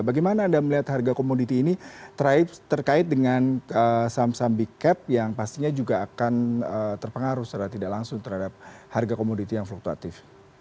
bagaimana anda melihat harga komoditi ini terkait dengan saham saham big cap yang pastinya juga akan terpengaruh secara tidak langsung terhadap harga komoditi yang fluktuatif